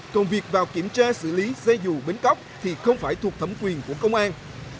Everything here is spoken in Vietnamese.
còn việc vào kiểm tra xử lý xe dù bến cóc thì không phải thuộc thẩm quyền của công an